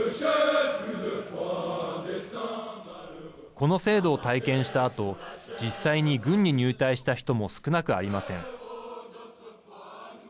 この制度を体験したあと実際に軍に入隊した人も少なくありません。